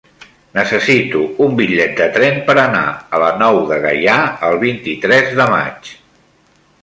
Necessito un bitllet de tren per anar a la Nou de Gaià el vint-i-tres de maig.